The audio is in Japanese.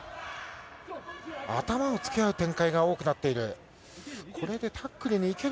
頭をつけ合う展開が多くなっている。